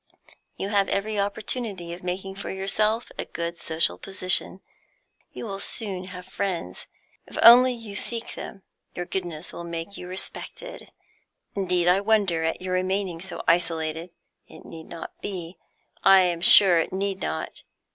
"You have every opportunity of making for yourself a good social position. You will soon have friends, if only you seek them. Your goodness will make you respected. Indeed I wonder at your remaining so isolated. It need not be; I am sure it need not.